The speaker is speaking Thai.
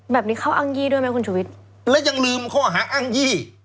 แบบนี้เขาอ้างยี่ด้วยไหมคุณชุวิตและยังลืมข้อหาอ้างยี่